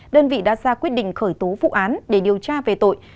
đơn vị đã ra quyết định khởi tố vụ án để điều tra về tội